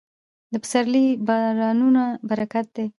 د پسرلي بارانونه برکت دی.